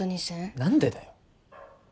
何でだよ